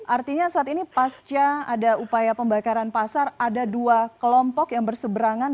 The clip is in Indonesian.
artinya saat ini pasca ada upaya pembakaran pasar ada dua kelompok yang berseberangan